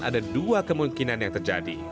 ada dua kemungkinan yang terjadi